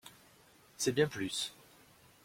C’est bien plus.